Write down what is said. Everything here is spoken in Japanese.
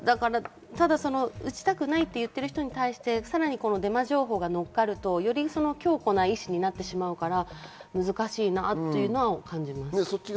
打ちたくないと言っている人に対してデマ情報がのっかると、より強固な意思になってしまうから難しいと思います。